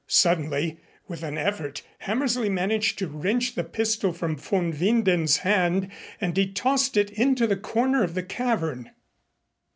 Suddenly with an effort Hammersley managed to wrench the pistol from von Winden's hand and he tossed it into the corner of the cavern.